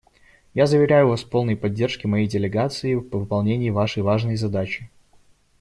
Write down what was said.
Я заверяю Вас в полной поддержке моей делегации в выполнении Вашей важной задачи.